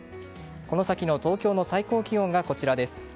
この先の東京の最高気温がこちらです。